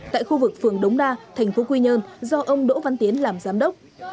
tại khu vực phường đống đa thành phố quy nhơn do ông đỗ văn tiến làm giám đốc